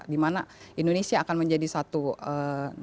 di mana indonesia akan menjadi satu negara